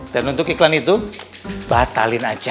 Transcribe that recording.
dan untuk iklan itu batalin aja